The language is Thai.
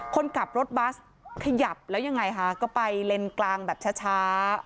คนขับรถบัสขยับแล้วยังไงคะก็ไปเลนกลางแบบช้า